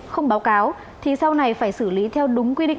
không báo cáo thì sau này phải xử lý theo đúng quy định